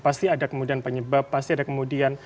pasti ada kemudian penyebab pasti ada kemudian